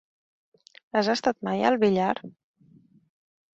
Has estat mai al Villar?